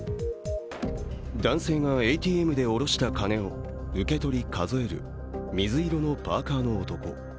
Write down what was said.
男性がＡＴＭで下ろした金を受け取り、数える水色のパーカーの男。